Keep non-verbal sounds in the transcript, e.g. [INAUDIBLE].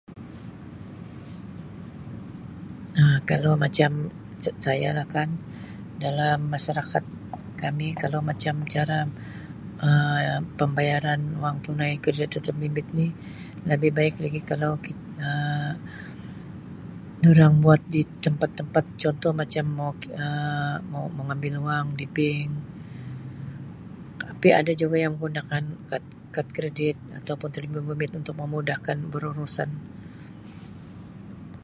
Um Kalau macam saya lah kan dalam masyarakat kami kalau macam cara Um pembayaran wang tunai [UNINTELLIGIBLE] telefon bimbit ini lebih baik lagi kalau Um dorang buat di tempat-tempat contoh macam Um mengambil wang di bank tapi ada juga yang menggunakan kad kad kredit atau pun telefon bimbit untuk memudahkan berurusan.